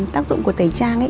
tác dụng của tẩy trang